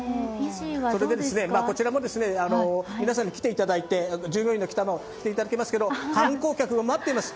それでこちらも皆さんに来ていだいて、従業員にも来ていただきますけれども観光客が待っています。